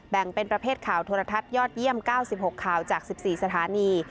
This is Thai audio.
แบ่งเป็นประเภทข่าวโทรทัศน์ยอดเยี่ยม๙๖ข่าวจาก๑๔สถานี